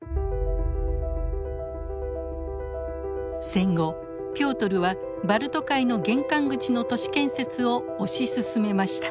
戦後ピョートルはバルト海の玄関口の都市建設を推し進めました。